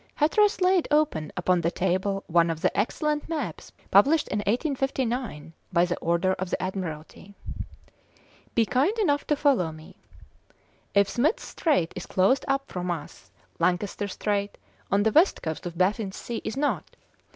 Hatteras laid open upon the table one of the excellent maps published in 1859 by the order of the Admiralty. "Be kind enough to follow me. If Smith's Strait is closed up from us, Lancaster Strait, on the west coast of Baffin's Sea, is not.